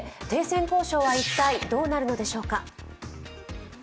停戦交渉は一体どうなるのでしょうか。